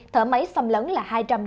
thở máy xâm lấn là hai trăm chín mươi bảy